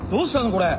これ。